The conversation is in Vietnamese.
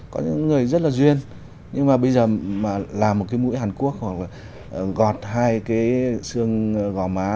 có những người rất là duyên nhưng mà bây giờ mà làm một cái mũi hàn quốc hoặc là gọt hai cái xương ngò má